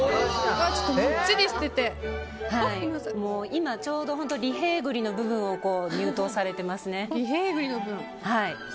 今、ちょうど利平栗の部分に入刀されてますね。